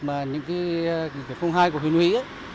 nhất là những nghị quyết phương hai của huyền huy